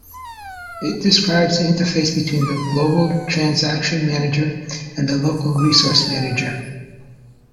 It describes the interface between the global transaction manager and the local resource manager.